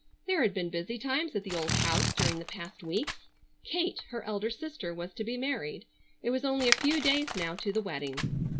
There had been busy times at the old house during the past weeks. Kate, her elder sister, was to be married. It was only a few days now to the wedding.